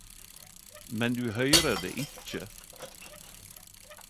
Men du høyrer det ikkje.